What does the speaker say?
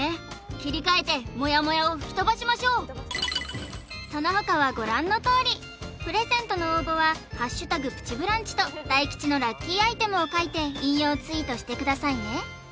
切り替えてモヤモヤを吹き飛ばしましょうそのほかはご覧のとおりプレゼントの応募は「＃プチブランチ」と大吉のラッキーアイテムを書いて引用ツイートしてくださいね